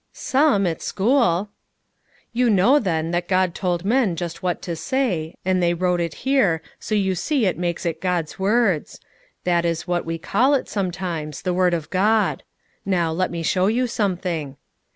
"Some, at school." "You know, then, that God told men just what to say, and they wrote it here, so you see that makes it God's words; that is what we call it sometimes, the Word of God. Now, let me show you something."